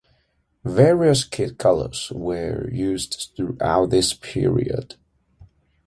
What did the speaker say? Various kit colours were used throughout this period.